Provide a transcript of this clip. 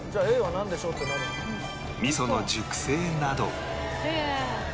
味噌の熟成など